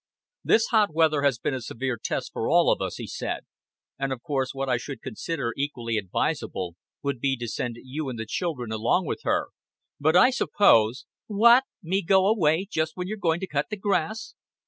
"This hot weather has been a severe test for all of us," he said; "and of course what I should consider equally advisable would be to send you and the children along with her, but I suppose " "What, me go away just when you're going to cut the grass!"